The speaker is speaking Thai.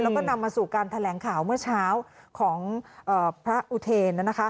แล้วก็นำมาสู่การแถลงข่าวเมื่อเช้าของพระอุเทน